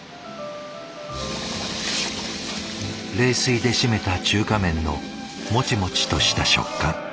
冷水で締めた中華麺のモチモチとした食感。